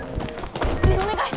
ねえお願い！